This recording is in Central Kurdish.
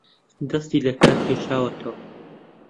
دەستی لەکار کێشاوەتەوە